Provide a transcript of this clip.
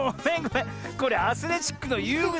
これアスレチックのゆうぐだったわ。